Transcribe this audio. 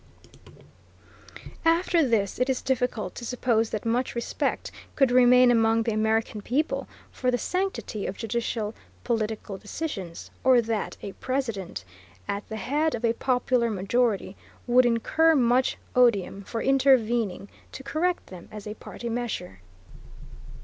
After this it is difficult to suppose that much respect could remain among the American people for the sanctity of judicial political decisions, or that a President, at the head of a popular majority, would incur much odium for intervening to correct them, as a party measure.